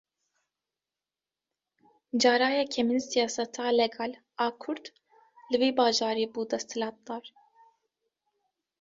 Cara yekemîn siyaseta legal a Kurd, li vî bajarî bû desthilatdar